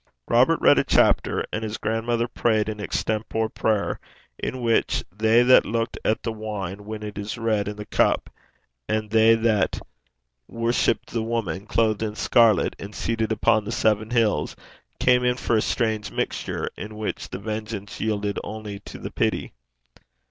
Robert read a chapter, and his grandmother prayed an extempore prayer, in which they that looked at the wine when it was red in the cup, and they that worshipped the woman clothed in scarlet and seated upon the seven hills, came in for a strange mixture, in which the vengeance yielded only to the pity.